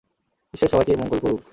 ঈশ্বর সবাইকে মঙ্গল করুক।